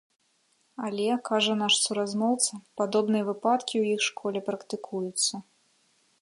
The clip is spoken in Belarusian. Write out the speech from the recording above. Але, кажа наш суразмоўца, падобныя выпадкі ў іх школе практыкуюцца.